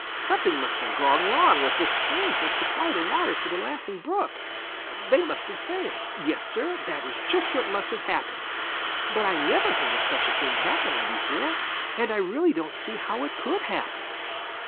Something must have gone wrong with the springs that supply the water for the Laughing Brook. They must have failed. Yes, Sir, that is just what must have happened. But I never heard of such a thing happening before, and I really don't see how it could happen."